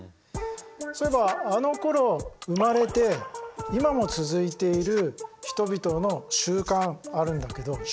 そういえばあのころ生まれて今も続いている人々の習慣あるんだけど習君何だか分かるかな？